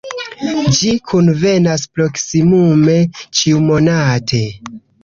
Ĝi kunvenas proksimume ĉiumonate.